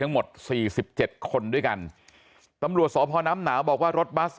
จังหวัดมหาสรคามมาศึกษาดูงานมาพักครั้งคืนที่เข่าค้อเพชรชบูรณ์